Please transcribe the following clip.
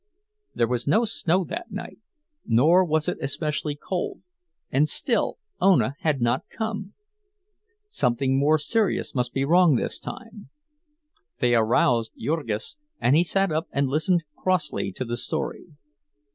There was no snow that night, nor was it especially cold; and still Ona had not come! Something more serious must be wrong this time. They aroused Jurgis, and he sat up and listened crossly to the story.